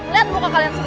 ngeliat muka kalian semua